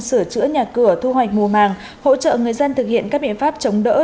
sửa chữa nhà cửa thu hoạch mùa màng hỗ trợ người dân thực hiện các biện pháp chống đỡ